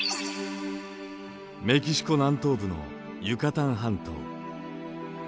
メキシコ南東部のユカタン半島。